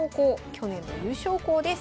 去年の優勝校です。